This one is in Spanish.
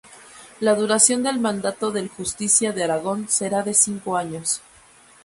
La duración del mandato del Justicia de Aragón será de cinco años.